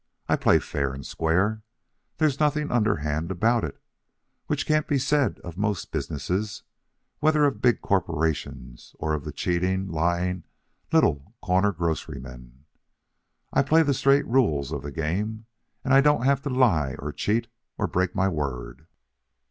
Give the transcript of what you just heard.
I play fair and square. There's nothing under hand about it, which can't be said of most businesses, whether of the big corporations or of the cheating, lying, little corner grocerymen. I play the straight rules of the game, and I don't have to lie or cheat or break my word."